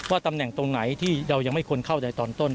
ตำแหน่งตรงไหนที่เรายังไม่ควรเข้าใจตอนต้น